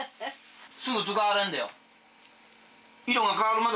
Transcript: すぐ使われんで。